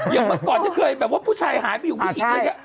อย่างเมื่อก่อนจะเคยแบบว่าผู้ชายหายไปอยู่ไหนอีกเลยเนี่ย